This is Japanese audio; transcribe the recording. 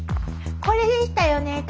これでしたよね